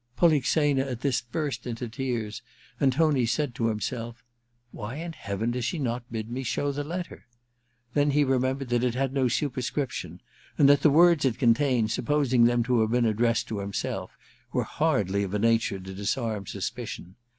* Polixena at this burst into tears, and Tony 334 A VENETIAN NIGHTS ii 8ud to himself :* Why in heaven does she not bid me show the letter ?' Then he remembered that it had no superscription, and that the words it contained, supposing them to have been addressed to hiniiself, were hardly of a nature to disarm suspicion.